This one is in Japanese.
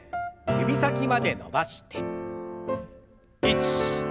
指先まで伸ばして。